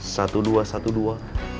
satu dua satu dua